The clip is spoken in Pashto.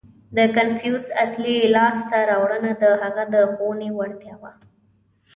• د کنفوسیوس اصلي لاسته راوړنه د هغه د ښوونې وړتیا وه.